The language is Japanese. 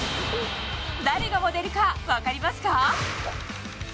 誰がモデルか分かりますか？